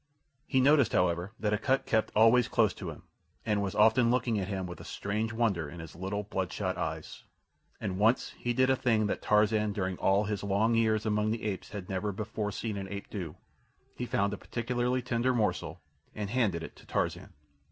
He noticed, however, that Akut kept always close to him, and was often looking at him with a strange wonder in his little bloodshot eyes, and once he did a thing that Tarzan during all his long years among the apes had never before seen an ape do—he found a particularly tender morsel and handed it to Tarzan.